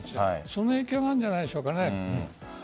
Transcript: その影響があるんじゃないですかね。